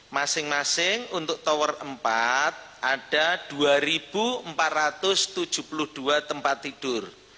masing masing untuk tower empat ada dua empat ratus tujuh puluh dua tempat tidur